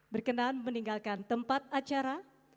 berkenan meninggalkan tempat acara